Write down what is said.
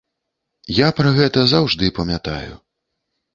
Я пра гэта заўжды памятаю.